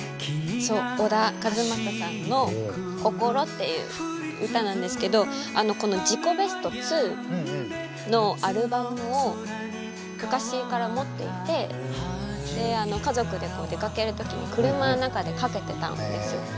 そう小田和正さんの「こころ」っていう歌なんですけどあのこの「自己ベスト２」のアルバムを昔から持っていて家族で出かける時に車の中でかけてたんですよ。